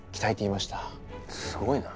すごいな。